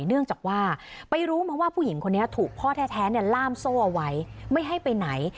เนื่องจากว่าไปรู้มาว่าผู้หญิงคนนี้ถูกพ่อแท้ล่ามโซ่เอาไว้ไม่ให้ไปไหน